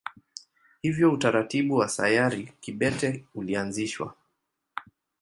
Hivyo utaratibu wa sayari kibete ulianzishwa.